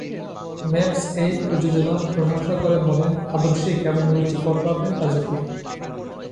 মেপস এই প্রযোজনার প্রশংসা করে বলেন, "আদর্শিক এবং রুচিকরভাবে রাজকীয়"।